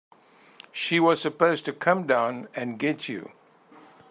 She was supposed to come down and get you.